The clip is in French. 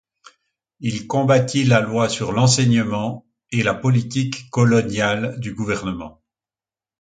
Il combattit la loi sur l'enseignement, et la politique coloniale du gouvernement.